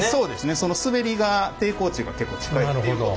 そのスベりが抵抗値が結構近いっていうことで。